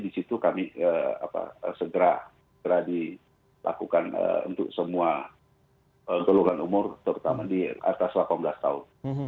di situ kami segera dilakukan untuk semua golongan umur terutama di atas delapan belas tahun